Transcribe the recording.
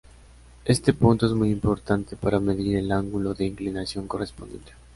Este punto es muy importante para medir el ángulo de inclinación correspondiente.